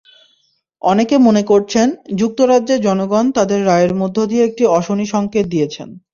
অনেকে মনে করছেন, যুক্তরাজ্যের জনগণ তাদের রায়ের মধ্য দিয়ে একটি অশনিসংকেত দিয়েছেন।